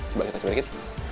coba kita coba dikit